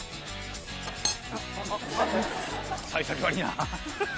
幸先悪いな。